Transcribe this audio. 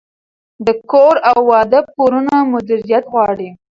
د کور او واده پورونه مدیریت غواړي.